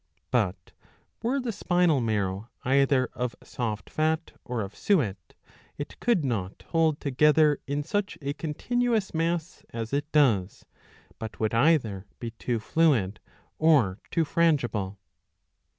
But were the spinal marrow either of soft fat or of suet, it could not hold together in such a continuous mass as it does, but would either be too fluid or too frangible.